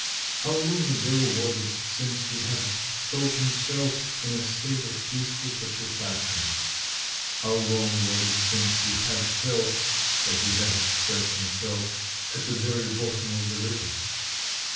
How long ago was it since he had thought himself in a state of peaceful petrifaction? How long was it since he had felt as he had expressed himself at the very bottom of the river?